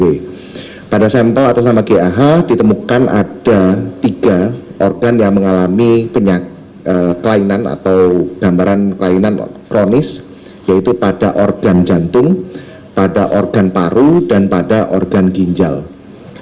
biarlan palsu pada sampel atas nama gah ditemukan ada tiga organ yang mengalami penyakit kelainan flonis yaitu pada organ jantung dan para organ ginjal yaitu organ paru